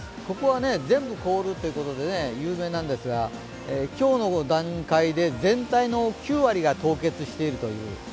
ここは全部凍るということで有名なんですが今日の段階で、全体の９割が凍結しているという。